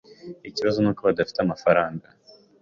Ikibazo nuko badafite amafaranga.